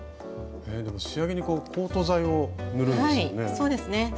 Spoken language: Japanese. でも仕上げにコート剤を塗るんですよね？